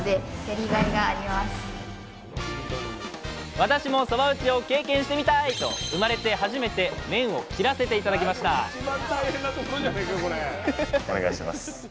私もそば打ちを経験してみたい！と生まれて初めて麺を切らせて頂きましたお願いします！